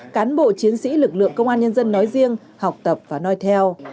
cán bộ chiến sĩ lực lượng công an nhân dân nói riêng học tập và nói theo